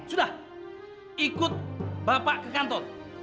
sudah ikut bapak ke kantor